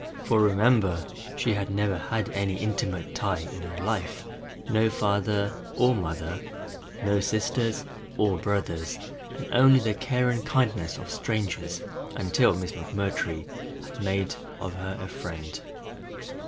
For remember, she had never had any intimate tie in her life, no father or mother, no sisters or brothers, and only the care and kindness of strangers until Miss McMurtry had made of her a friend.